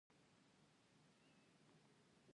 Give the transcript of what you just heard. مشفق یو نظر لري.